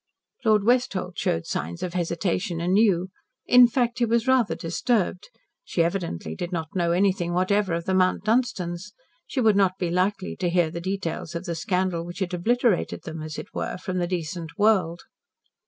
Lord Westholt showed signs of hesitation anew. In fact, he was rather disturbed. She evidently did not know anything whatever of the Mount Dunstans. She would not be likely to hear the details of the scandal which had obliterated them, as it were, from the decent world.